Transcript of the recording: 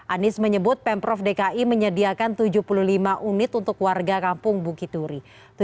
anies menyebut pemprov dki menyediakan tujuh puluh lima unit untuk warga kampung bukituri